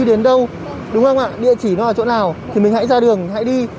đi đến đâu địa chỉ nó ở chỗ nào thì mình hãy ra đường hãy đi